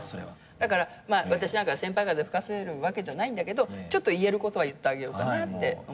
だから私なんか先輩風吹かせるわけじゃないんだけどちょっと言えることは言ってあげようかなって思う。